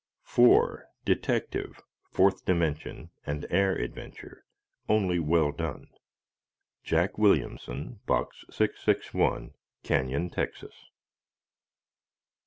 4. Detective, Fourth Dimension, and air adventure only well done. Jack Williamson, Box 661 Canyon, Texas.